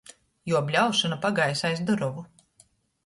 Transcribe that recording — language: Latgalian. Juo bļaušona pagaisa aiz durovu.